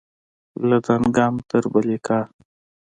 له دانګام تر بلهیکا